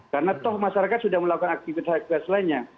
kalau masyarakat sudah melakukan aktivitas aktivitas lainnya